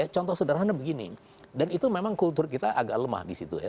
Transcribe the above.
contoh sederhana begini dan itu memang kultur kita agak lemah di situ ya